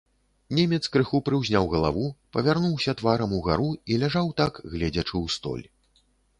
Немец крыху прыўзняў галаву, павярнуўся тварам угару і ляжаў так, гледзячы ў столь.